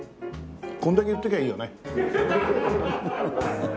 これだけ言っときゃいいよね？